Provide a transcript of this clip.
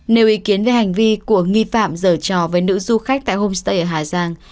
nêu ý kiến về hành vi của nghi phạm dở trò với nữ du khách tại homestay ở hà giang